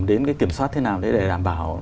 đến cái kiểm soát thế nào để đảm bảo